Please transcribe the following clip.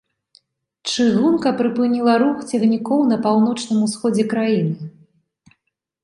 Чыгунка прыпыніла рух цягнікоў на паўночным усходзе краіны.